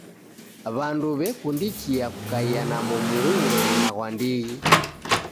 W'andu w'ekundikia kukaia na momu ghumweri na ghwa ndighi.